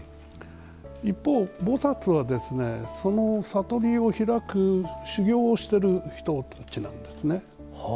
一方、菩薩はその悟りを開く修行している人たちなんですね。